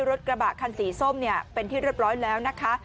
รถกระบะคันสีส้มเนี่ยเป็นที่เรียบร้อยแล้วนะคะ